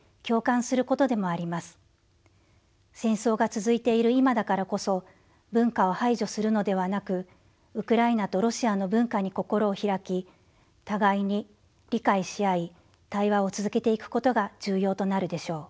戦争が続いている今だからこそ文化を排除するのではなくウクライナとロシアの文化に心を開き互いに理解し合い対話を続けていくことが重要となるでしょう。